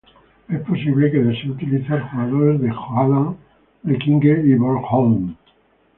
Es posible que desee utilizar jugadores de Halland, Blekinge y Bornholm.